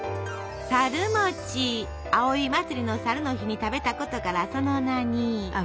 葵祭の申の日に食べたことからその名に。